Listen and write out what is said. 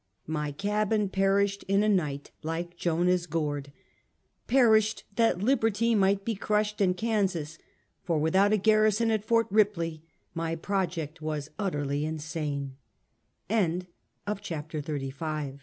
My cabin perished in a night, like Jonah's gourd — perished that liberty might be crushed in Kansas; for without a garrison at Fort Kipley, my project was ut terly insa